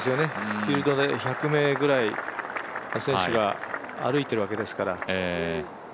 フィールドで１００名ぐらいの選手が歩いているわけですから。